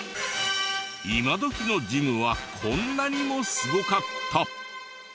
今どきのジムはこんなにもすごかった。